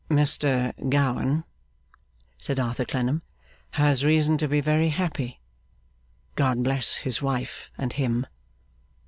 'Mr Gowan,' said Arthur Clennam, 'has reason to be very happy. God bless his wife and him!